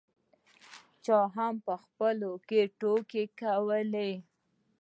چا هم په خپلو کې ټوکې کولې.